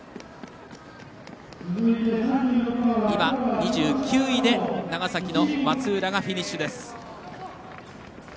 ２９位で長崎の松浦がフィニッシュです。